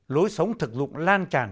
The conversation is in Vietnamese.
lối sống thực dụng lan tràn